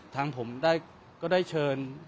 ทางผมก็ได้เชิญ